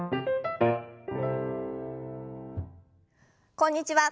こんにちは。